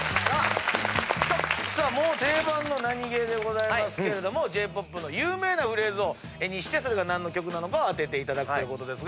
定番のナニゲーでございますけれどもＪ−ＰＯＰの有名なフレーズを絵にしてそれが何の曲なのかを当てていただくということですが。